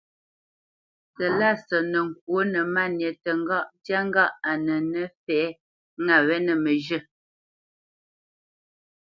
Silásə nə́ ŋkwǒ nə́ Máni tə ŋgáʼ ntyá ŋgâʼ á nǐ fɛ́ʼnə̄ ŋâ məzhə̂ mbwǎ yé.